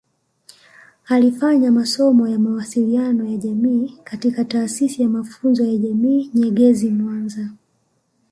Alifanya masomo ya mawasiliano ya jamii katika Taasisi ya mafunzo ya jamii Nyegezi mwanza